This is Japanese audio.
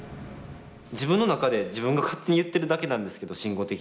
自分の中で自分が勝手に言ってるだけなんですけど慎吾的には。